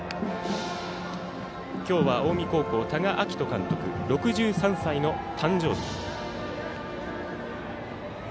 今日は近江高校、多賀章仁監督６３歳の誕生日。